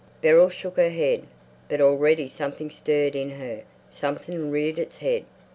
Beryl shook her head. But already something stirred in her, something reared its head.